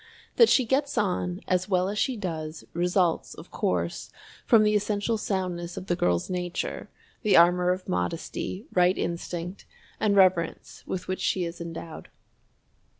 That she gets on as well as she does, results, of course, from the essential soundness of the girl's nature, the armor of modesty, right instinct, and reverence with which she is endowed.